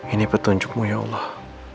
ini petunjukmu ya allah